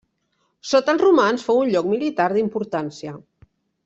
Sota els romans fou un lloc militar d'importància.